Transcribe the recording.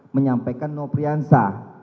menyampaikan no priansa